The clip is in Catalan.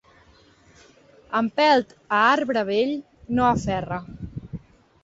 Empelt a arbre vell no aferra.